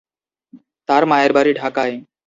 তার মায়ের বাড়ি ঢাকায়।